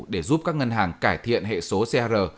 để giúp các ngân hàng cải thiện hệ số cr